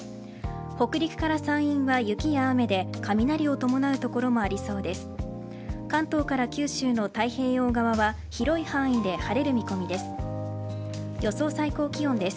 北陸から山陰は雪や雨で雷を伴う所もありそうです。